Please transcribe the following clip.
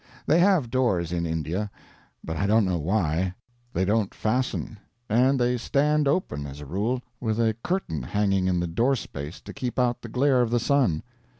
They have doors in India, but I don't know why. They don't fasten, and they stand open, as a rule, with a curtain hanging in the doorspace to keep out the glare of the sun.